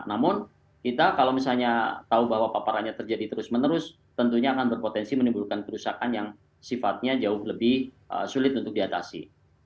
namun kita kalau misalnya tahu bahwa paparannya terjadi terus menerus tentunya akan berpotensi menimbulkan kerusakan yang sifatnya jauh lebih sulit untuk diatasi